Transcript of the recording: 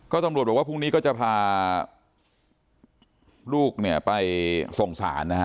ตำรวจบอกว่าพรุ่งนี้ก็จะพาลูกเนี่ยไปส่งสารนะฮะ